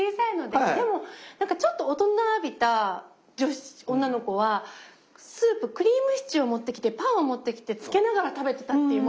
でもちょっと大人びた女の子はスープクリームシチューを持ってきてパンを持ってきてつけながら食べてたっていう。